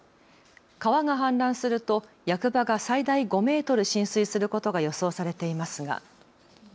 川が氾濫すると役場が最大５メートル浸水することが予想されていますが。